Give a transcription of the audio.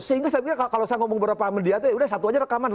sehingga saya pikir kalau saya ngomong berapa mediatnya ya sudah satu aja rekaman